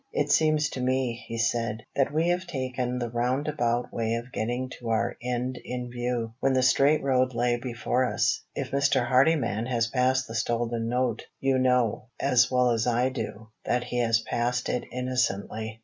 "It seems to me," he said, "that we have taken the roundabout way of getting to our end in view, when the straight road lay before us. If Mr. Hardyman has passed the stolen note, you know, as well as I do, that he has passed it innocently.